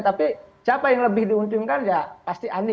tapi siapa yang lebih diuntungkan ya pasti anies